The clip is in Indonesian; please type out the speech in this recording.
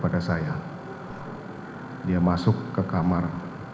dia masuk ke kamar